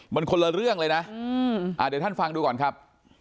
มันคนละเรื่องเลยนะเดี๋ยวท่านฟังดูก่อนครับ